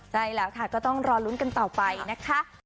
ใช่แล้วค่ะก็ต้องรอลุ้นกันต่อไปนะคะ